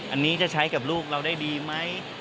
อันนี้จะใช้กับลูกเราได้ดีไหม